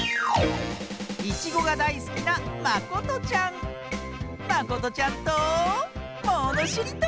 いちごがだいすきなまことちゃんとものしりとり！